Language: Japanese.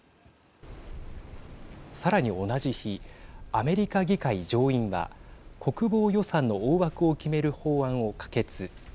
さらに同じ日アメリカ議会上院は国防予算の大枠を決める法案を可決。